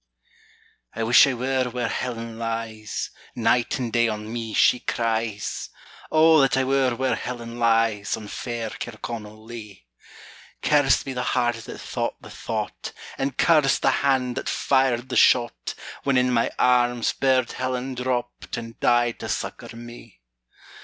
I wish I were where Helen lies; Night and day on me she cries; O that I were where Helen lies On fair Kirconnell lea! Curst be the heart that thought the thought, And curst the hand that fired the shot, When in my arms burd Helen dropt, And died to succor me!